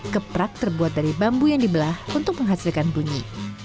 keprak terbuat dari bambu yang dibelah untuk menghasilkan bunyi